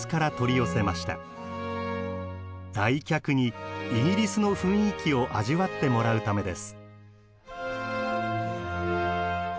来客にイギリスの雰囲気を味わってもらうためです。